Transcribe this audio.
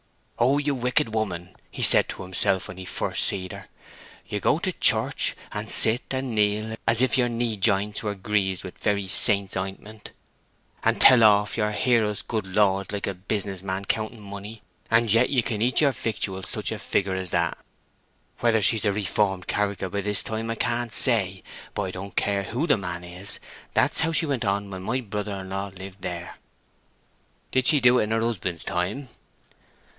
'Oh, you wicked woman!' he said to himself when he first see her, 'you go to your church, and sit, and kneel, as if your knee jints were greased with very saint's anointment, and tell off your Hear us good Lords like a business man counting money; and yet you can eat your victuals such a figure as that!' Whether she's a reformed character by this time I can't say; but I don't care who the man is, that's how she went on when my brother in law lived there." "Did she do it in her husband's time?"